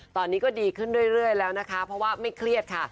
ตอนนี้ก็ดีขึ้นเรื่อยแล้วนะคะเพราะว่าไม่เครียดค่ะ